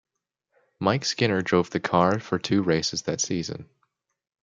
Mike Skinner drove the car for two races that season.